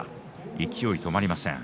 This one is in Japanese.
勢いが止まりません。